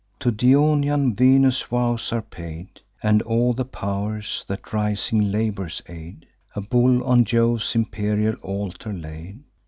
To Dionaean Venus vows are paid, And all the pow'rs that rising labours aid; A bull on Jove's imperial altar laid.